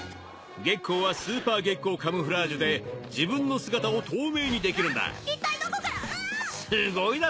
ゲッコーはスーパー・ゲッコー・カムフラージュで自分の姿を透明にできるんだはぁ？